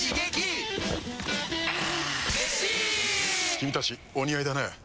君たちお似合いだね。